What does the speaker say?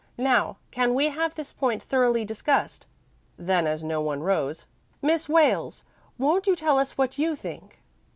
Now, can we have this point thoroughly discussed?" Then, as no one rose, "Miss Wales, won't you tell us what you think?"